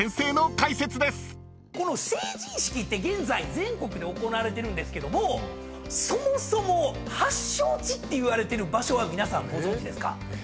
この成人式って現在全国で行われてるんですけどもそもそも発祥地っていわれてる場所は皆さんご存じですか？